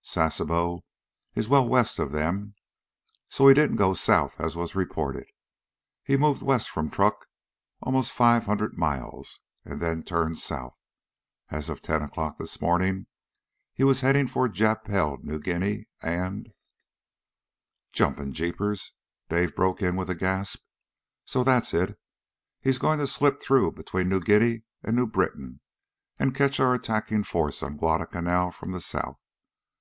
Sasebo is well west of them. So he didn't go south, as was reported. He moved west from Truk for almost five hundred miles and then turned south. And as of ten o'clock this morning he was heading for Jap held New Guinea. And " "Jumping jeepers!" Dawson broke in with a gasp. "So that's it? He's going to slip through between New Guinea and New Britain and catch our attacking force on Guadalcanal from the south?